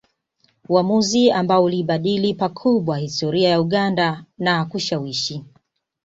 Uamuzi ambao uliibadili pakubwa historia ya Uganda na kushawishi